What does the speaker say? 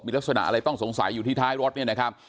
มีลักษณะอะไรต้องสงสัยอยู่ที่ท้ายรถเนี่ยนะครับ